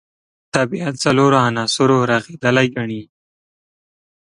طبیعت څلورو عناصرو رغېدلی ګڼي.